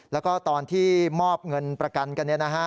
แล้วก็ตอนที่มอบเงินประกันกันเนี่ยนะฮะ